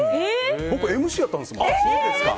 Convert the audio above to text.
僕、ＭＣやったんです。